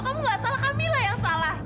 kamu nggak salah kamila yang salah